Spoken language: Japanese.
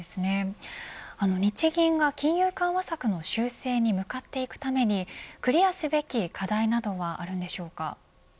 日銀が金融緩和策の修正に向かっていくためにクリアすべき課題などはあるのでしょうか。